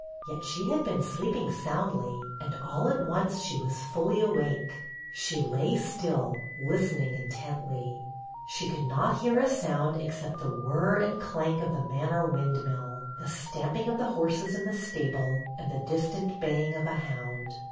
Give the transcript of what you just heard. Yet she had been sleeping soundly, and all at once she was fully awake. She lay still, listening intently. She could not hear a sound except the whir and clank of the manor windmill, the stamping of the horses in the stable, and the distant baying of a hound.